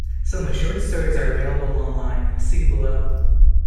Some of the short stories are available online; see below.